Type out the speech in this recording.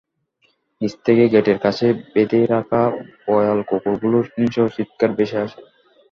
নিচ থেকে গেটের কাছে বেঁধে রাখা ভয়াল কুকুরগুলোর হিংস্র চিৎকার ভেসে আসে।